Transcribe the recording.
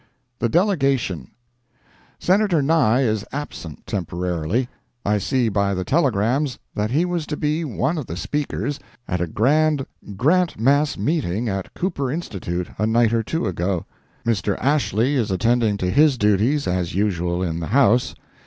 The Delegation. Senator Nye is absent, temporarily. I see by the telegrams that he was to be one of the speakers at a grand Grant mass meeting at Cooper Institute, a night or two ago. Mr. Ashley is attending to his duties as usual in the House.